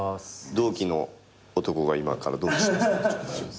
同期の男が今から同期します。